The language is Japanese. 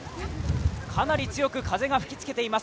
かなり強く風が吹き付けています